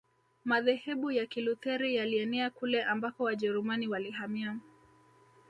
Madhehebu ya Kilutheri yalienea kule ambako Wajerumani walihamia